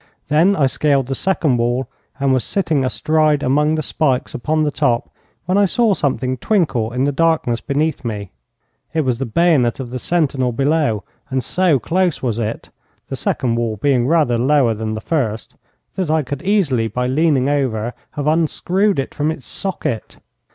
Then I scaled the second wall, and was sitting astride among the spikes upon the top, when I saw something twinkle in the darkness beneath me. It was the bayonet of the sentinel below, and so close was it (the second wall being rather lower than the first) that I could easily, by leaning over, have unscrewed it from its socket.